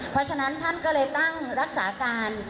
เพราะฉะนั้นท่านก็เลยตั้งรักษาการ